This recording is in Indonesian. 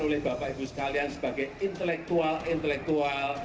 oleh bapak ibu sekalian sebagai intelektual intelektual